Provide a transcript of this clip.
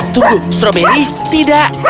tunggu strawberry tidak